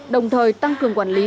đồng thời tăng cường quản lý